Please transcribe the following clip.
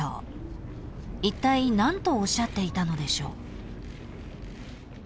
［いったい何とおっしゃっていたのでしょう？］